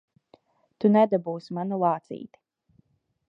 Tu nedabūsi manu lācīti!